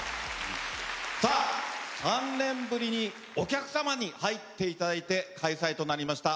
３年ぶりにお客さまに入っていただいて開催となりました。